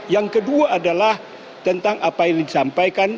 yang kedua adalah tentang apa yang disampaikan